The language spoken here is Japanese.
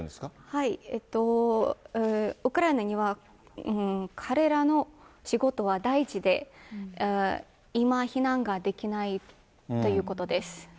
はい、ウクライナには、彼らの仕事は大事で、今、避難ができないということです。